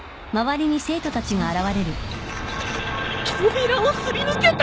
扉をすり抜けた！？